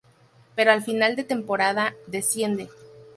Pero al final de temporada desciende.